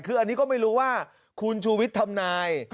คืออันนี้ก็ไม่รู้ว่าคุณชูวิทย์ทำนาย